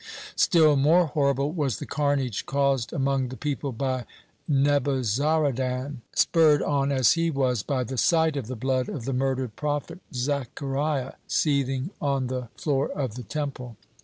Still more horrible was the carnage caused among the people by Nebuzaradan, spurred on as he was by the sight of the blood of the murdered prophet Zechariah seething on the floor of the Temple.